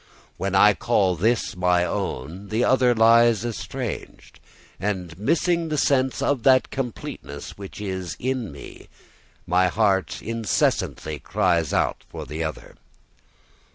When I call this my own, the other lies estranged; and missing the sense of that completeness which is in me, my heart incessantly cries out for the other.